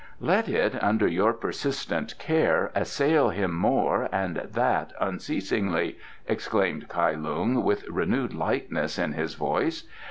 "Let it, under your persistent care, assail him more and that unceasingly," exclaimed Kai Lung, with renewed lightness in his voice.